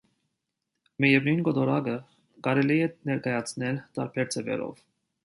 Միևնույն կոտորակը կարելի է ներկայացնել տարբեր ձևերով։